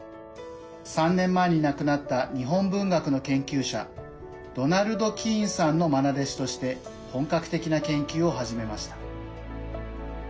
３年前に亡くなった日本文学の研究者ドナルド・キーンさんのまな弟子として本格的な研究を始めました。